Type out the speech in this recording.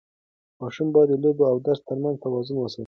ماشوم باید د لوبو او درس ترمنځ توازن وساتي.